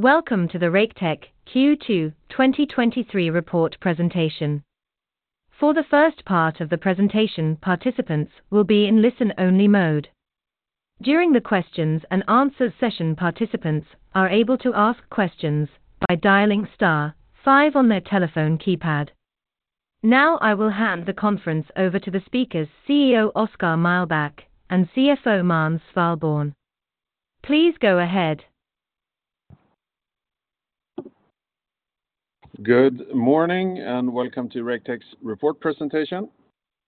Welcome to the Raketech Q2 2023 report presentation. For the first part of the presentation, participants will be in listen-only mode. During the questions and answers session, participants are able to ask questions by dialing star five on their telephone keypad. Now, I will hand the conference over to the speakers, CEO Oskar Mühlbach and CFO Måns Svalborn. Please go ahead. Good morning, welcome to Raketech's report presentation.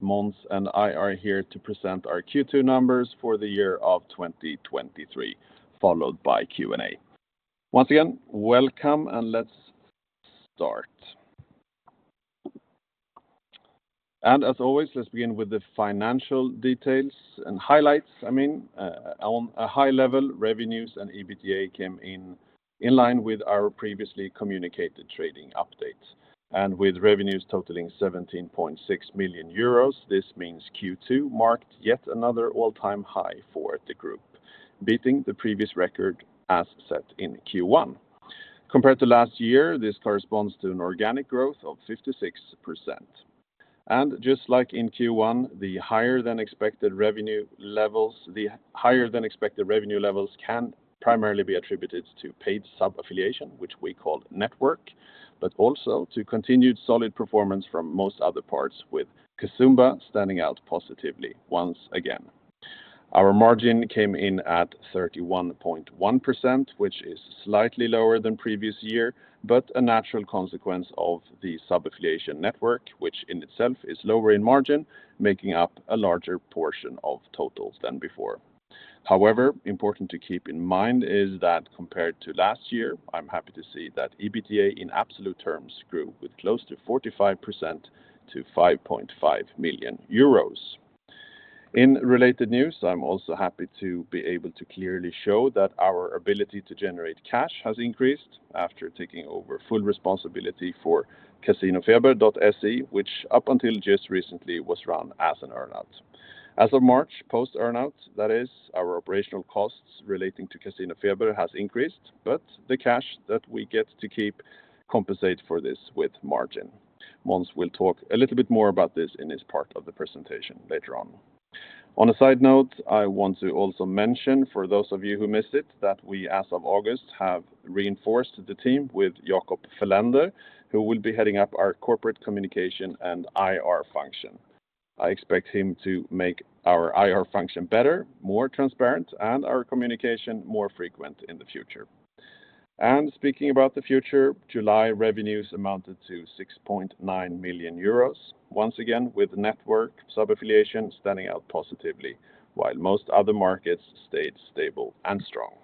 Måns and I are here to present our Q2 numbers for the year of 2023, followed by Q&A. Once again, welcome, let's start. As always, let's begin with the financial details and highlights, I mean. On a high level, revenues and EBITDA came in, in line with our previously communicated trading updates. With revenues totaling 17.6 million euros, this means Q2 marked yet another all-time high for the group, beating the previous record as set in Q1. Compared to last year, this corresponds to an organic growth of 56%. Just like in Q1, the higher than expected revenue levels can primarily be attributed to paid sub-affiliation, which we call Network, but also to continued solid performance from most other parts, with Casumba standing out positively once again. Our margin came in at 31.1%, which is slightly lower than previous year, but a natural consequence of the sub-affiliation network, which in itself is lower in margin, making up a larger portion of total than before. Important to keep in mind is that compared to last year, I'm happy to see that EBITDA, in absolute terms, grew with close to 45% to 5.5 million euros. In related news, I'm also happy to be able to clearly show that our ability to generate cash has increased after taking over full responsibility for Casinofeber.se, which up until just recently was run as an earn-out. As of March, post earn-out, that is, our operational costs relating to Casinofeber has increased, but the cash that we get to keep compensate for this with margin. Måns will talk a little bit more about this in his part of the presentation later on. On a side note, I want to also mention, for those of you who missed it, that we, as of August, have reinforced the team with Jacob Fagerlund, who will be heading up our corporate communication and IR function. I expect him to make our IR function better, more transparent, and our communication more frequent in the future. Speaking about the future, July revenues amounted to 6.9 million euros, once again, with Network sub-affiliation standing out positively, while most other markets stayed stable and strong.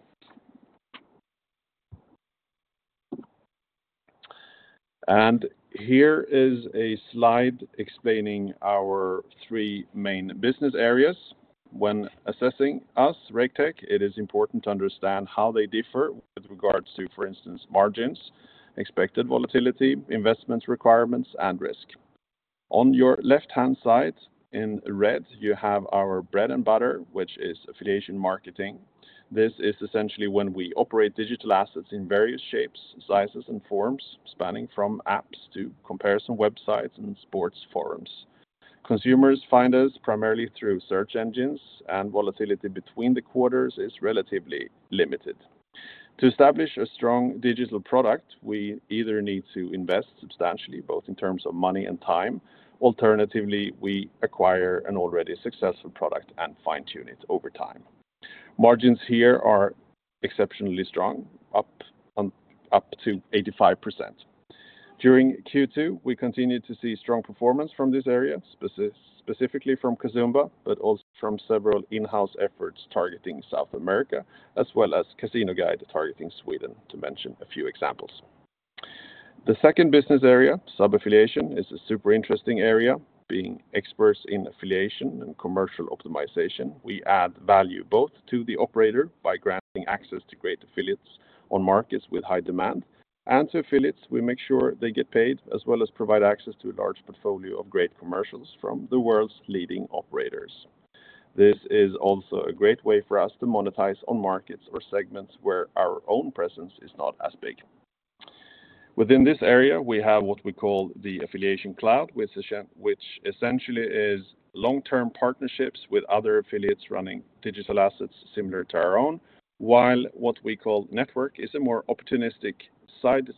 Here is a slide explaining our three main business areas. When assessing us, Raketech, it is important to understand how they differ with regards to, for instance, margins, expected volatility, investment requirements, and risk. On your left-hand side, in red, you have our bread and butter, which is affiliation marketing. This is essentially when we operate digital assets in various shapes, sizes, and forms, spanning from apps to comparison websites and sports forums. Consumers find us primarily through search engines. Volatility between the quarters is relatively limited. To establish a strong digital product, we either need to invest substantially, both in terms of money and time. Alternatively, we acquire an already successful product and fine-tune it over time. Margins here are exceptionally strong, up to 85%. During Q2, we continued to see strong performance from this area, specifically from Casumba, but also from several in-house efforts targeting South America, as well as CasinoGuide, targeting Sweden, to mention a few examples. The second business area, sub-affiliation, is a super interesting area. Being experts in affiliation and commercial optimization, we add value both to the operator by granting access to great affiliates on markets with high demand, and to affiliates, we make sure they get paid, as well as provide access to a large portfolio of great commercials from the world's leading operators. This is also a great way for us to monetize on markets or segments where our own presence is not as big. Within this area, we have what we call the AffiliationCloud, which essentially is long-term partnerships with other affiliates running digital assets similar to our own, while what we call Network is a more opportunistic side,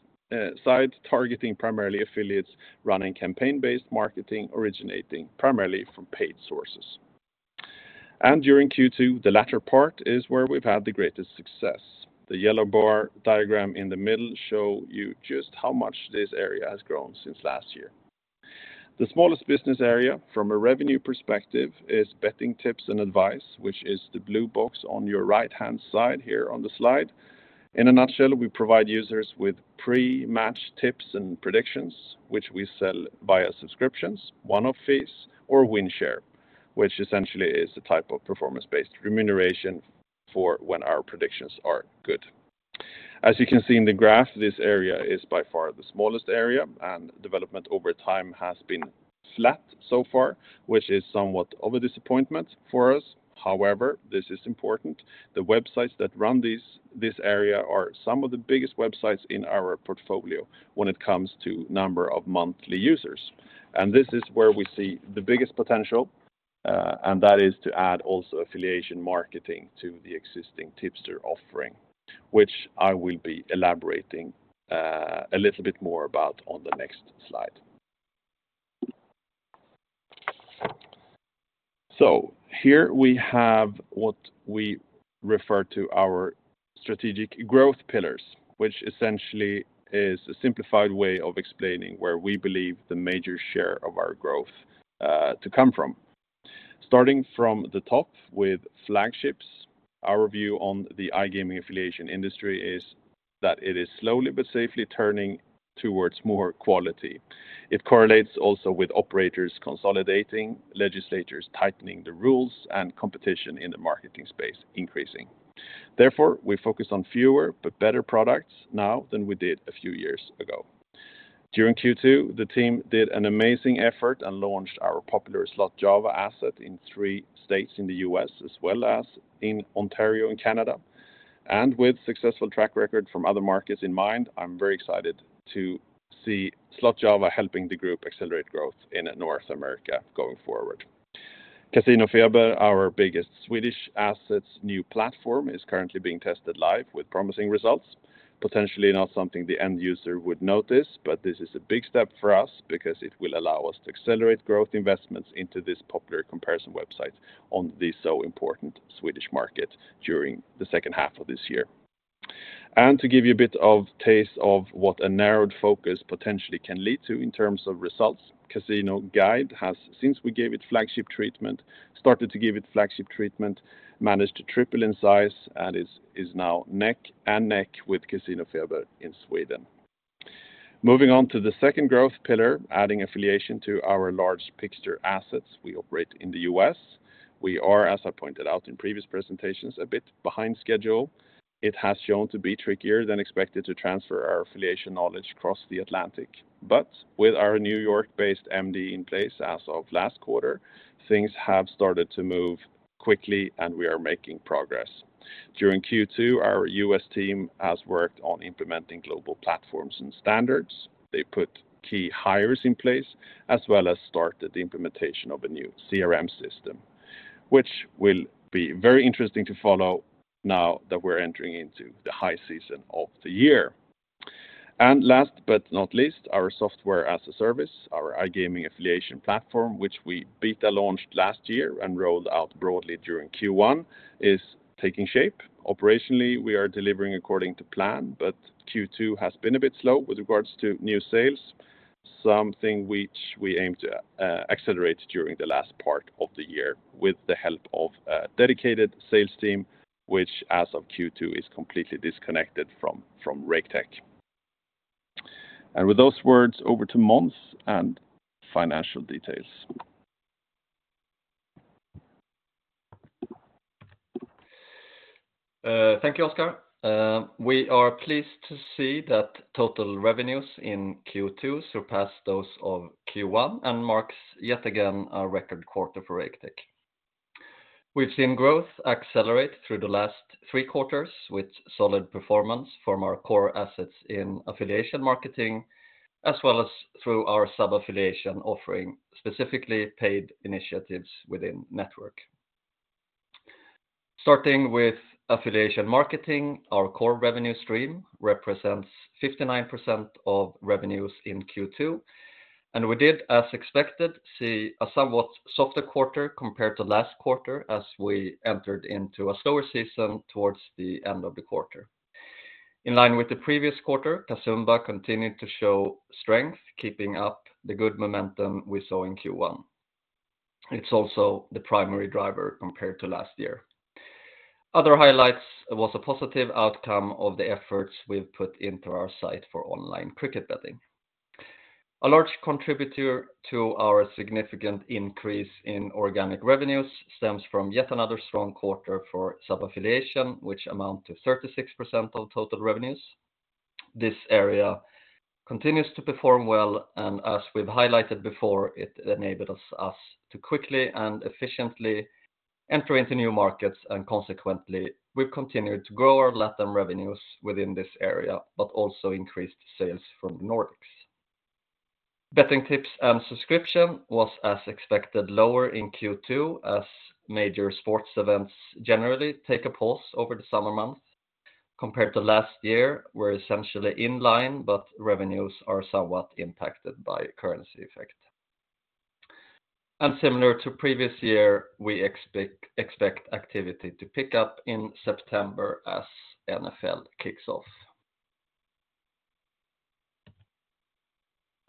side, targeting primarily affiliates, running campaign-based marketing, originating primarily from paid sources. During Q2, the latter part is where we've had the greatest success. The yellow bar diagram in the middle show you just how much this area has grown since last year. The smallest business area, from a revenue perspective, is Tipster, which is the blue box on your right-hand side here on the slide. In a nutshell, we provide users with pre-match tips and predictions, which we sell via subscriptions, one-off fees, or rev share, which essentially is a type of performance-based remuneration for when our predictions are good. As you can see in the graph, this area is by far the smallest area, and development over time has been flat so far, which is somewhat of a disappointment for us. However, this is important. The websites that run this area are some of the biggest websites in our portfolio when it comes to number of monthly users. This is where we see the biggest potential, and that is to add also affiliation marketing to the existing Tipster offering, which I will be elaborating a little bit more about on the next slide. Here we have what we refer to our strategic growth pillars, which essentially is a simplified way of explaining where we believe the major share of our growth, to come from. From the top with flagships, our view on the iGaming affiliation industry is that it is slowly but safely turning towards more quality. Correlates also with operators consolidating, legislators tightening the rules, and competition in the marketing space increasing. We focus on fewer but better products now than we did a few years ago. During Q2, the team did an amazing effort and launched our popular SlotJava asset in three states in the U.S., as well as in Ontario and Canada. With successful track record from other markets in mind, I'm very excited to see SlotJava helping the group accelerate growth in North America going forward. Casinofeber, our biggest Swedish asset's new platform, is currently being tested live with promising results. Potentially not something the end user would notice, but this is a big step for us because it will allow us to accelerate growth investments into this popular comparison website on the so important Swedish market during the second half of this year. To give you a bit of taste of what a narrowed focus potentially can lead to in terms of results, CasinoGuide has, since we gave it flagship treatment, started to give it flagship treatment, managed to triple in size, and is now neck and neck with Casinofeber in Sweden. Moving on to the second growth pillar, adding affiliation to our large picture assets we operate in the U.S. We are, as I pointed out in previous presentations, a bit behind schedule. It has shown to be trickier than expected to transfer our affiliation knowledge across the Atlantic. With our New York-based MD in place as of last quarter, things have started to move quickly, and we are making progress. During Q2, our U.S. team has worked on implementing global platforms and standards. They put key hires in place, as well as started the implementation of a new CRM system, which will be very interesting to follow now that we're entering into the high season of the year. Last but not least, our Software as a Service, our iGaming affiliation platform, which we beta launched last year and rolled out broadly during Q1, is taking shape. Operationally, we are delivering according to plan, but Q2 has been a bit slow with regards to new sales, something which we aim to accelerate during the last part of the year with the help of a dedicated sales team, which as of Q2, is completely disconnected from, from Raketech. With those words, over to Måns and financial details. thank you, Oskar. We are pleased to see that total revenues in Q2 surpassed those of Q1, and marks yet again a record quarter for Raketech. We've seen growth accelerate through the last three quarters, with solid performance from our core assets in affiliation marketing, as well as through our sub-affiliation offering, specifically paid initiatives within Network. Starting with affiliation marketing, our core revenue stream represents 59% of revenues in Q2, and we did, as expected, see a somewhat softer quarter compared to last quarter as we entered into a slower season towards the end of the quarter. In line with the previous quarter, Casumba continued to show strength, keeping up the good momentum we saw in Q1. It's also the primary driver compared to last year. Other highlights was a positive outcome of the efforts we've put into our site for online cricket betting. A large contributor to our significant increase in organic revenues stems from yet another strong quarter for sub-affiliation, which amount to 36% of total revenues. This area continues to perform well, as we've highlighted before, it enables us to quickly and efficiently enter into new markets, consequently, we've continued to grow our LATAM revenues within this area, but also increased sales from the Nordics. Betting tips and subscription was, as expected, lower in Q2, as major sports events generally take a pause over the summer months. Compared to last year, we're essentially in line, revenues are somewhat impacted by currency effect. Similar to previous year, we expect activity to pick up in September as NFL kicks off.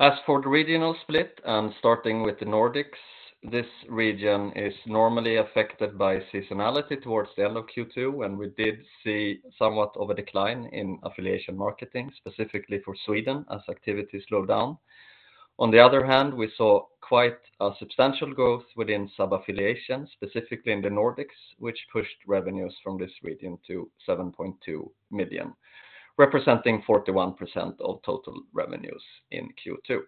As for the regional split, starting with the Nordics, this region is normally affected by seasonality towards the end of Q2, and we did see somewhat of a decline in affiliation marketing, specifically for Sweden, as activity slowed down. On the other hand, we saw quite a substantial growth within sub-affiliation, specifically in the Nordics, which pushed revenues from this region to 7.2 million, representing 41% of total revenues in Q2.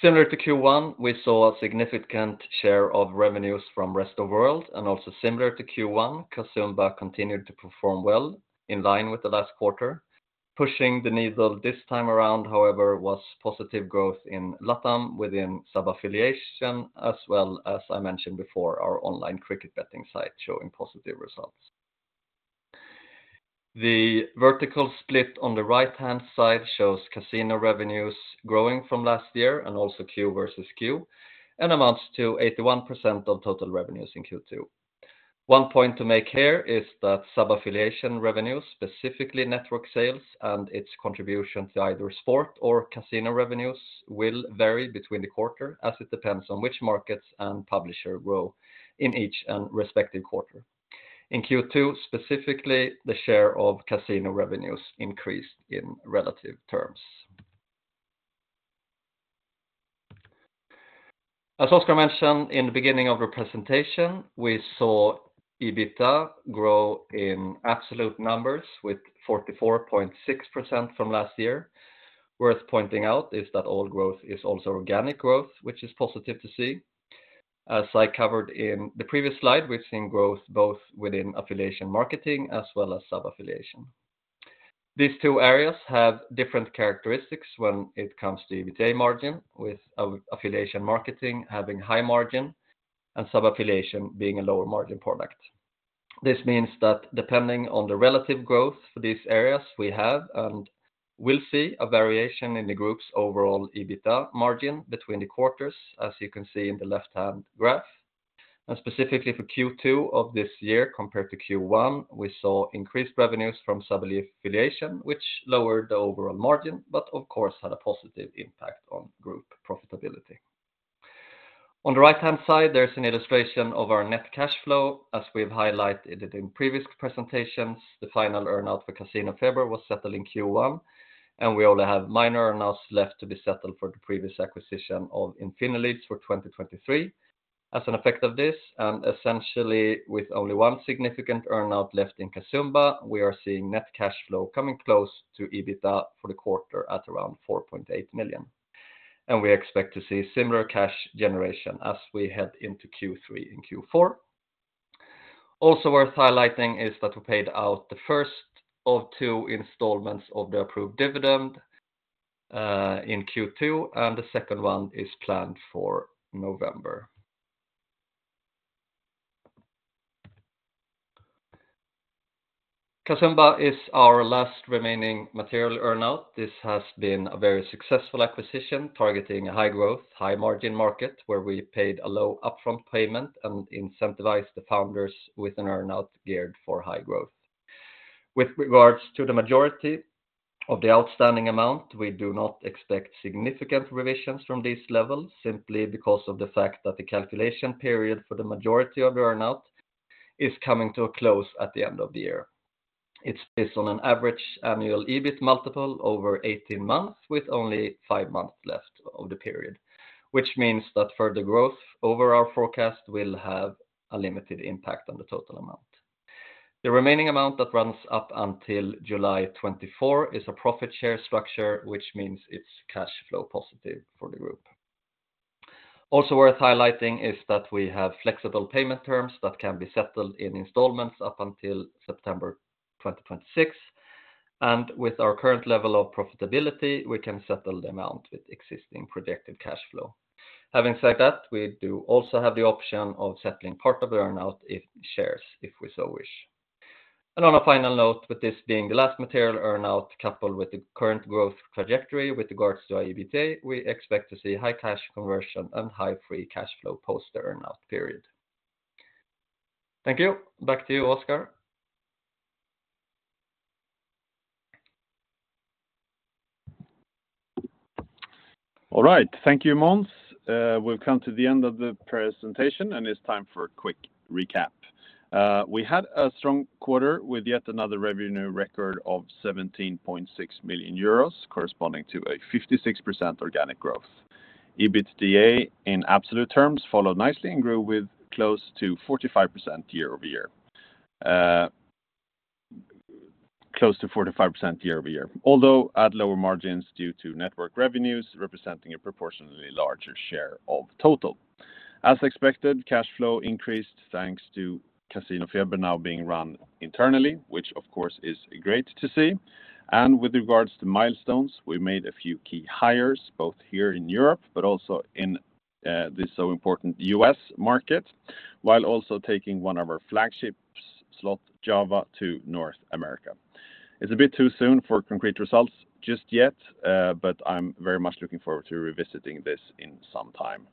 Similar to Q1, we saw a significant share of revenues from rest of world, and also similar to Q1, Casumba continued to perform well in line with the last quarter. Pushing the needle this time around, however, was positive growth in LATAM within sub-affiliation, as well as I mentioned before, our online cricket betting site showing positive results. The vertical split on the right-hand side shows casino revenues growing from last year and also Q-over-Q, and amounts to 81% of total revenues in Q2. One point to make here is that sub-affiliation revenues, specifically Network sales and its contribution to either sport or casino revenues, will vary between the quarter as it depends on which markets and publisher grow in each and respective quarter. In Q2, specifically, the share of casino revenues increased in relative terms. As Oskar mentioned in the beginning of our presentation, we saw EBITDA grow in absolute numbers with 44.6% from last year. Worth pointing out is that all growth is also organic growth, which is positive to see. As I covered in the previous slide, we've seen growth both within affiliation marketing as well as sub-affiliation. These two areas have different characteristics when it comes to EBITDA margin, with affiliation marketing having high margin and sub-affiliation being a lower margin product. This means that depending on the relative growth for these areas, we have and will see a variation in the group's overall EBITDA margin between the quarters, as you can see in the left-hand graph. Specifically for Q2 of this year, compared to Q1, we saw increased revenues from sub-affiliation, which lowered the overall margin, but of course, had a positive impact on group profitability. On the right-hand side, there's an illustration of our net cash flow, as we have highlighted it in previous presentations. The final earn out for CasinoFeber was settled in Q1. We only have minor earn outs left to be settled for the previous acquisition of Infinileads for 2023. As an effect of this, essentially with only one significant earn out left in Casumba, we are seeing net cash flow coming close to EBITDA for the quarter at around $4.8 million. We expect to see similar cash generation as we head into Q3 and Q4. Also worth highlighting is that we paid out the first of two installments of the approved dividend in Q2, and the second one is planned for November. Casumba is our last remaining material earn out. This has been a very successful acquisition, targeting a high-growth, high-margin market, where we paid a low upfront payment and incentivized the founders with an earn out geared for high growth. With regards to the majority of the outstanding amount, we do not expect significant revisions from this level simply because of the fact that the calculation period for the majority of the earn out is coming to a close at the end of the year. It's based on an average annual EBIT multiple over 18 months, with only five months left of the period, which means that further growth over our forecast will have a limited impact on the total amount. The remaining amount that runs up until July 2024 is a profit share structure, which means it's cash flow positive for the group. Also worth highlighting is that we have flexible payment terms that can be settled in installments up until September 2026, and with our current level of profitability, we can settle the amount with existing projected cash flow. Having said that, we do also have the option of settling part of the earn out in shares, if we so wish. On a final note, with this being the last material earn out, coupled with the current growth trajectory with regards to our EBITDA, we expect to see high cash conversion and high free cash flow post the earn out period. Thank you. Back to you, Oskar. All right. Thank you, Måns. We've come to the end of the presentation, and it's time for a quick recap. We had a strong quarter with yet another revenue record of 17.6 million euros, corresponding to a 56% organic growth. EBITDA in absolute terms, followed nicely and grew with close to 45% year-over-year, although at lower margins due to Network revenues representing a proportionately larger share of total. As expected, cash flow increased, thanks to Casinofeber now being run internally, which of course, is great to see. With regards to milestones, we made a few key hires, both here in Europe, but also in this so important U.S. market, while also taking one of our flagships, SlotJava, to North America. It's a bit too soon for concrete results just yet, but I'm very much looking forward to revisiting this in some time.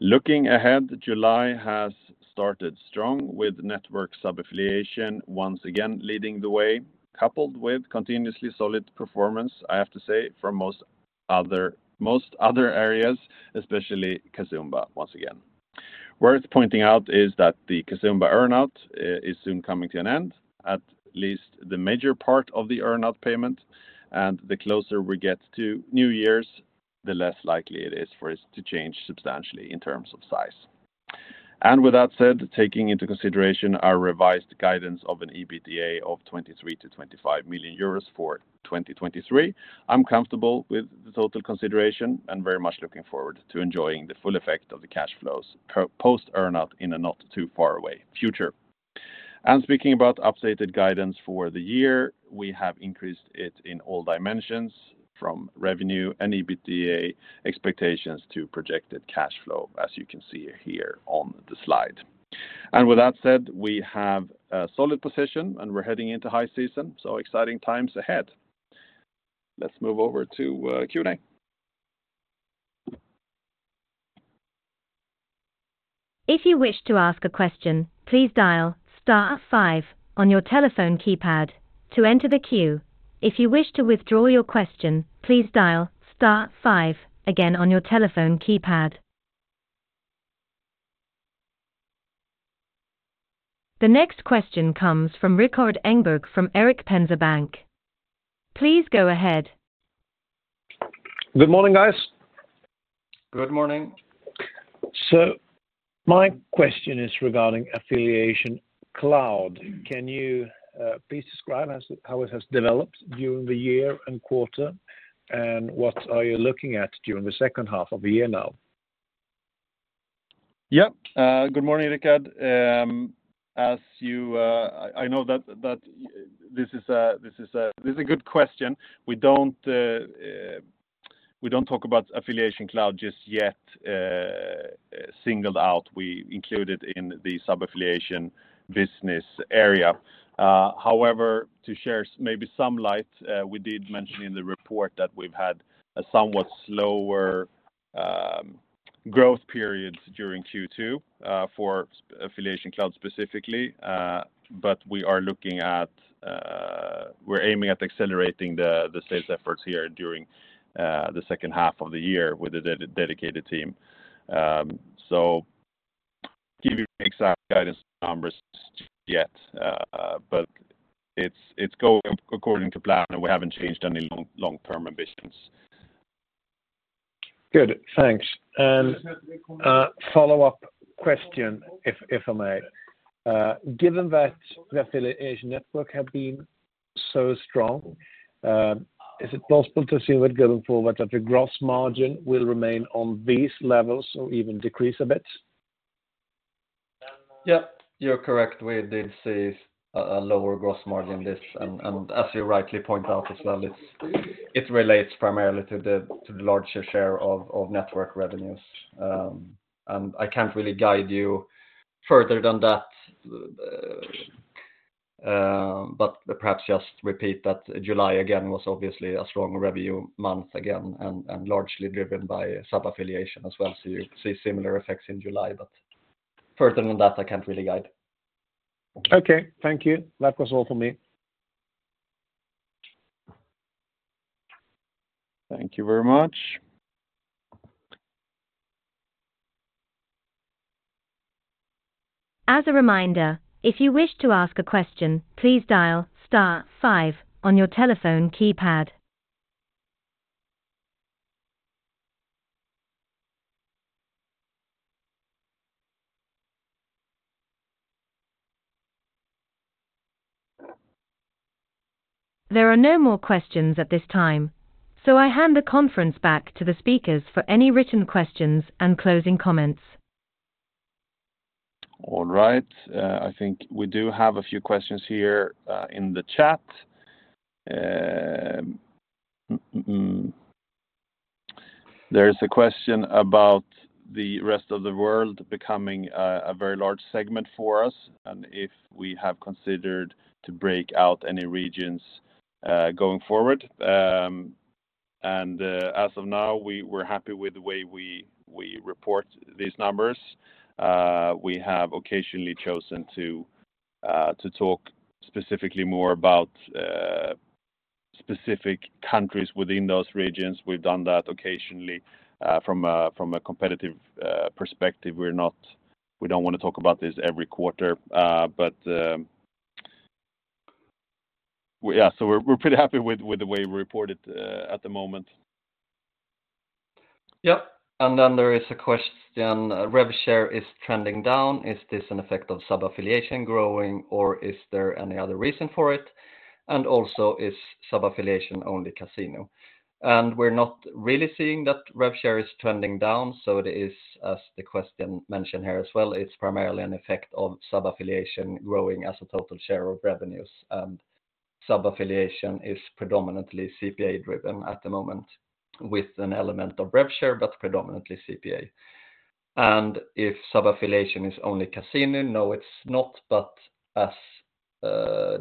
Looking ahead, July has started strong with Network sub-affiliation once again leading the way, coupled with continuously solid performance, I have to say, from most other, most other areas, especially Casumba, once again. Worth pointing out is that the Casumba earn out is soon coming to an end, at least the major part of the earn out payment, and the closer we get to New Year's, the less likely it is for it to change substantially in terms of size. With that said, taking into consideration our revised guidance of an EBITDA of 23 million-25 million euros for 2023, I'm comfortable with the total consideration and very much looking forward to enjoying the full effect of the cash flows post earn out in a not too far away future. Speaking about updated guidance for the year, we have increased it in all dimensions, from revenue and EBITDA expectations to projected cash flow, as you can see here on the slide. With that said, we have a solid position, and we're heading into high season, so exciting times ahead. Let's move over to Q&A. If you wish to ask a question, please dial star five on your telephone keypad to enter the queue. If you wish to withdraw your question, please dial star five again on your telephone keypad. The next question comes from Rikard Engberg, from Erik Penser Bank. Please go ahead. Good morning, guys. Good morning. My question is regarding AffiliationCloud. Can you please describe how it, how it has developed during the year and quarter? What are you looking at during the second half of the year now? Yep. Good morning, Rikard. As you, I, I know that, that this is a, this is a, this is a good question. We don't, we don't talk about AffiliationCloud just yet, singled out. We include it in the sub-affiliation business area. However, to share maybe some light, we did mention in the report that we've had a somewhat slower growth period during Q2 for AffiliationCloud specifically. We are looking at... We're aiming at accelerating the sales efforts here during the second half of the year with a de-dedicated team. Give you exact guidance numbers yet, but it's, it's going according to plan, and we haven't changed any long, long-term ambitions. Good, thanks. Follow-up question, if, if I may. Given that the Affiliation Network have been so strong, is it possible to assume that going forward, that the gross margin will remain on these levels or even decrease a bit? Yep, you're correct. We did see a, a lower gross margin this, and, and as you rightly point out as well, it's, it relates primarily to the, to the larger share of, of Network revenues. I can't really guide you further than that. Perhaps just repeat that July again was obviously a strong revenue month again, and, and largely driven by sub-affiliation as well. You see similar effects in July, but further than that, I can't really guide. Okay. Thank you. That was all for me. Thank you very much. As a reminder, if you wish to ask a question, please dial star five on your telephone keypad. There are no more questions at this time, so I hand the conference back to the speakers for any written questions and closing comments. All right, I think we do have a few questions here in the chat. There is a question about the rest of the world becoming a, a very large segment for us, and if we have considered to break out any regions going forward. As of now, we're happy with the way we, we report these numbers. We have occasionally chosen to talk specifically more about specific countries within those regions. We've done that occasionally, from a competitive perspective. We're not, we don't want to talk about this every quarter, we're, we're pretty happy with, with the way we report it at the moment. Yep. Then there is a question, rev share is trending down. Is this an effect of sub-affiliation growing, or is there any other reason for it? Also, is sub-affiliation only casino? We're not really seeing that rev share is trending down, so it is, as the question mentioned here as well, it's primarily an effect of sub-affiliation growing as a total share of revenues. Sub-affiliation is predominantly CPA-driven at the moment, with an element of rev share, but predominantly CPA. If sub-affiliation is only casino, no, it's not. As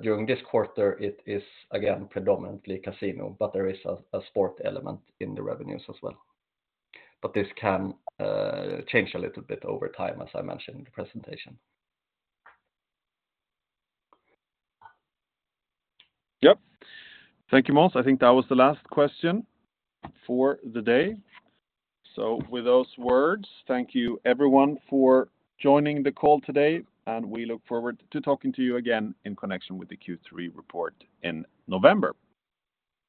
during this quarter, it is again predominantly casino, but there is a sport element in the revenues as well. This can change a little bit over time, as I mentioned in the presentation. Yep. Thank you, Måns. I think that was the last question for the day. With those words, thank you everyone for joining the call today, and we look forward to talking to you again in connection with the Q3 report in November.